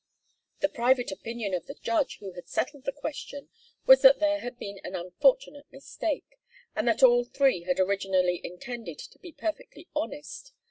The private opinion of the judge who had settled the question was that there had been an unfortunate mistake, and that all three had originally intended to be perfectly honest.